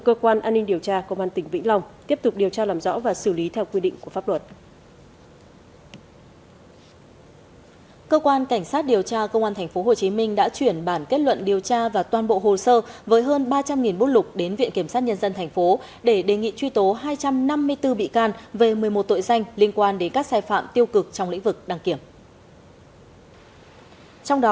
cơ quan an ninh điều tra công an tỉnh vĩnh long vừa khởi tố bắt tạm giam hai đối tượng thạch chanh đara và kim khiêm cùng chủ viện tam bình tự do dân chủ xâm phạm uy tín của tổ chức cá nhân